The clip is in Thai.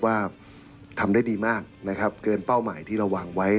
ว่าทำได้ดีมากนะครับเกินเป้าหมายที่เราวางไว้